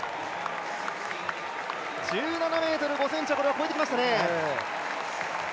１７ｍ５ｃｍは越えてきましたね。